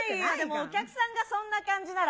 お客さんがそんな感じなら、